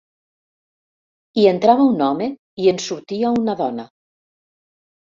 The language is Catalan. Hi entrava un home i en sortia una dona.